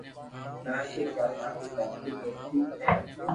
ڪراچي ري آبادي باقي مون وديڪ ھي